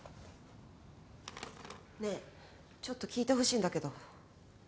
ねえちょっと聞いてほしいんだけど。